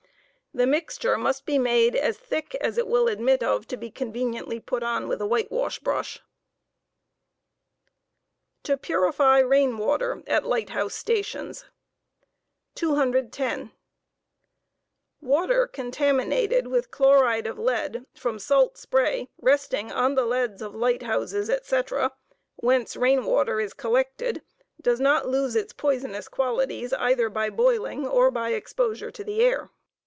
The mixture must be made as thick as it will admit of to be conveniently put on with a whitewash brush. TO PURIFY RAIN WATEB AT LIGHT HOUSE STATIONS. 210. Water contaminated with chloride of lead from salt spray resting on the leads of light houses, &c;,' whence rainwater is collected, does not lose its poisonous qualities either by boiling or by exposure to the air.